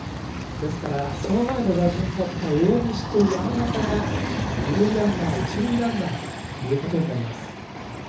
ですから、その前の打順だった大西と山中が二塁ランナー一塁ランナーということになります。